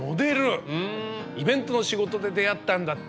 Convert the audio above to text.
イベントの仕事で出会ったんだって。